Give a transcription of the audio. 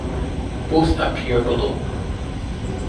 Both appear below.